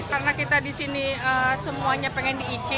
karena kita disini semuanya pengen di icin